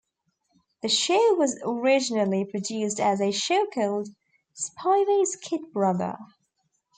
The show was originally produced as a show called "Spivey's Kid Brother".